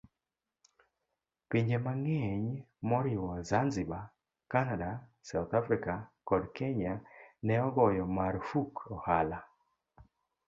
Pinje mang'eny moriwo Zanzibar, Canada, South Africa, kod Kenya ne ogoyo marfuk ohala